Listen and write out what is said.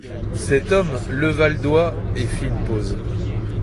Cet homme leva le doigt et fit une pause.